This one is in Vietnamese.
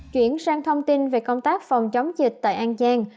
chuyển sang thông tin về công tác phòng chống dịch tại an giang